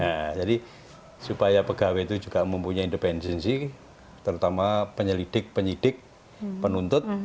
nah jadi supaya pegawai itu juga mempunyai independensi terutama penyelidik penyidik penuntut